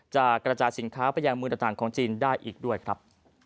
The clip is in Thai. จะกระจายสินค้าไปยังมือต่างของจีนได้อีกด้วยครับ